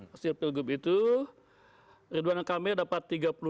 hasil pilgub itu ridwanan kameo dapat tiga puluh dua delapan puluh delapan